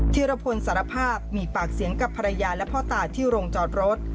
ธิรพลสารภาพมีปากเสียงกับภรรยาและพ่อตาที่โรงจอดรถ